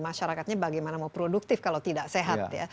masyarakatnya bagaimana mau produktif kalau tidak sehat ya